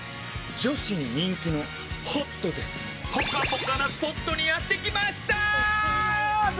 女子に人気のホットでぽかぽかなスポットにやってきました！